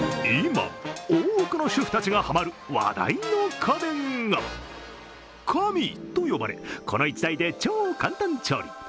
今、多くの主婦たちがハマる話題の家電が神と呼ばれ、この１台で超簡単調理。